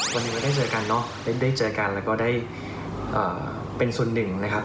วันนี้ก็ได้เจอกันเนอะได้เจอกันแล้วก็ได้เป็นส่วนหนึ่งนะครับ